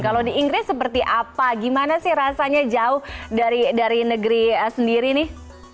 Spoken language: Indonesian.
kalau di inggris seperti apa gimana sih rasanya jauh dari negeri sendiri nih